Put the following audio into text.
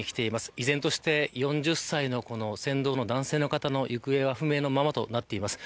依然として４０歳の船頭の男性の方の行方は不明のままとなっています。